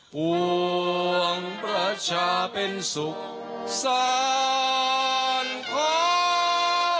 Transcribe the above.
อบนานทรักษาอบนานภวงเทกฐานบนาน